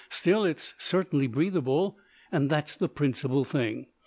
Still, it's certainly breathable, and that's the principal thing."